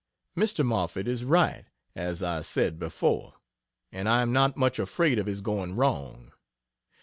Mr. Moffett is right, as I said before and I am not much afraid of his going wrong.